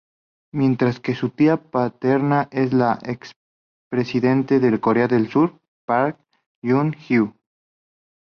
Mientras que su tía paterna es la expresidente de Corea del Sur, Park Geun-hye.